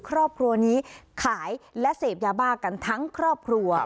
ครอบครัวนี้ขายและเสพยาบ้ากันทั้งครอบครัว